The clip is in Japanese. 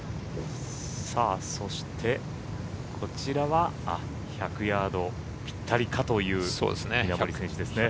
そして、こちらは１００ヤードぴったりかという稲森選手ですね。